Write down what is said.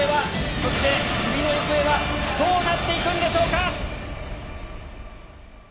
そして、クビの行方はどうなっていくんでしょうか。